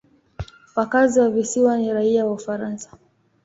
Wakazi wa visiwa ni raia wa Ufaransa.